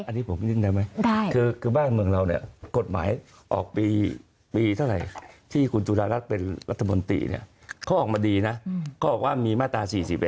อันนี้ผมนึกได้ไหมคือบ้านเมืองเราเนี่ยกฎหมายออกปีเท่าไหร่ที่คุณจุฬารัฐเป็นรัฐมนตรีเนี่ยเขาออกมาดีนะเขาบอกว่ามีมาตรา๔๑